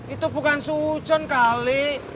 itu bukan seujun kali